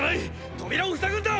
扉を塞ぐんだ！